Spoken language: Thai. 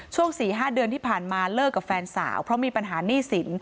๔๕เดือนที่ผ่านมาเลิกกับแฟนสาวเพราะมีปัญหาหนี้สิน